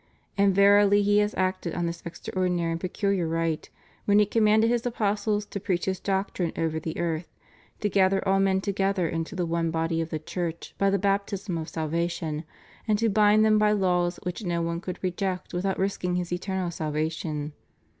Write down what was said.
And verily He has acted on this extraordinary and peculiar right when He commanded His apostles to preach His doctrine over the earth, to gather all men together into the one body of the Church by the baptism of salvation, and to bind them by laws which no one could reject without risking his eternal salvation.